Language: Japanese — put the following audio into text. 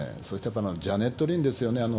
それとジャネット・リンですよね。